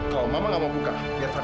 kalau mama gak mau buka biar fadil mohon